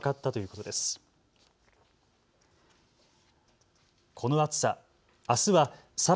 この暑さ。